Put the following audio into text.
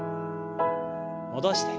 戻して。